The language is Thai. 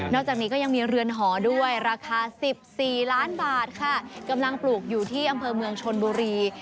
จากนี้ก็ยังมีเรือนหอด้วยราคา๑๔ล้านบาทค่ะกำลังปลูกอยู่ที่อำเภอเมืองชนบุรี